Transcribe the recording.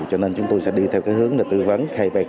cho nên chúng tôi sẽ đi theo hướng tư vấn